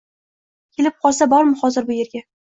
Kelib qolsa bormi hozir bu yerga?!